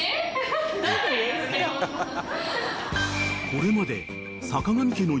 ［これまで］